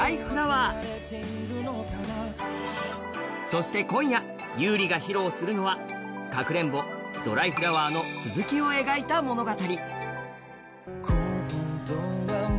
そして今夜優里が披露するのは「かくれんぼ」「ドライフラワー」の続きを描いた物語。